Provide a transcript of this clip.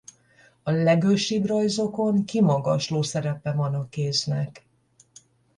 A legősibb rajzokon kimagasló szerepe van a kéznek.